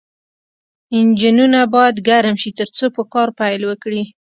انجنونه باید ګرم شي ترڅو په کار پیل وکړي